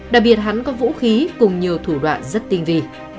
đặc biệt hắn có vũ khí cùng nhiều thủ đoạn rất tinh vị